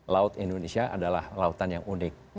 laut indonesia adalah lautan yang unik